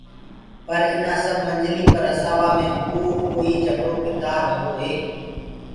پر اِنآ سب منجليٚ پر رسآوآ مي گُرو ڪوئي جبرو ڪِردآر هوندو هي۔